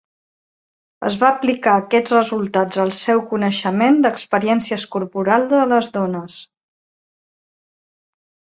Es va aplicar aquests resultats al seu coneixement d'experiències corporals de les dones.